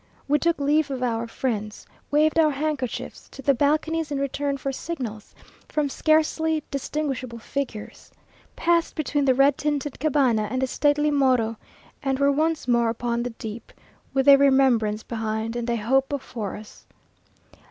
We took leave of our friends, waved our handkerchiefs to the balconies in return for signals from scarcely distinguishable figures, passed between the red tinted Cabana and the stately Morro, and were once more upon the deep, with a remembrance behind, and a hope before us.